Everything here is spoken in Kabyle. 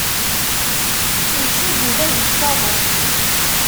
Ittcuddu tagut s aḍu.